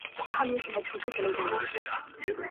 • له مكتبه مي رهي كړله قمار ته -